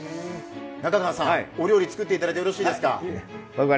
中川さん、お料理、作っていただいてよろしいですか？